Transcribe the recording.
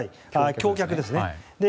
橋脚ですね。